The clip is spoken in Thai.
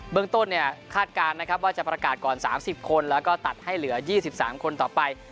เมืองต้นเนี่ยคาดการณ์นะครับว่าจะประกาศก่อน๓๐คนแล้วก็ตัดให้เหลือ๒๓คนต่อไป